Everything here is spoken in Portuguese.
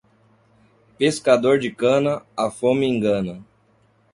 Pescador de cana, a fome engana.